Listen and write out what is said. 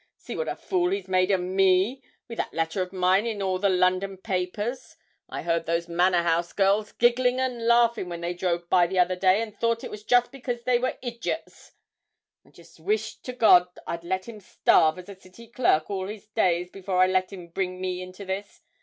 See what a fool he's made o' me with that letter of mine in all the London papers! I heard those Manor House girls gigglin' and laughin' when they drove by the other day, and thought it was just because they were idjits.... I wish to God I'd let him starve as a City clerk all his days before I let him bring me to this.